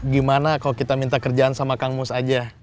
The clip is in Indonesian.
gimana kalau kita minta kerjaan sama kang mus aja